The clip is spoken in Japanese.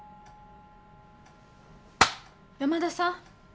山田さん。